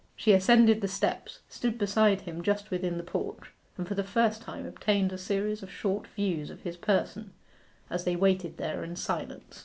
She ascended the steps, stood beside him just within the porch, and for the first time obtained a series of short views of his person, as they waited there in silence.